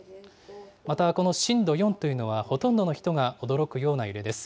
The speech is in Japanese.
また、この震度４というのはほとんどの人が驚くような揺れです。